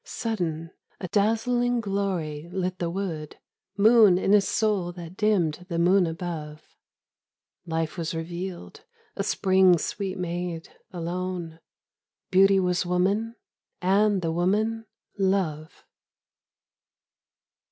Sudden, a dazzling glory lit the wood Moon in his soul that dimmed the moon above. Life was revealed, a Spring sweet maid, alone Beauty was woman, and the woman Love.